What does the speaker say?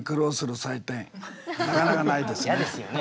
いや嫌ですよね。